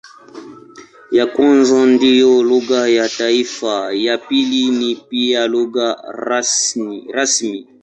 Ya kwanza ndiyo lugha ya taifa, ya pili ni pia lugha rasmi.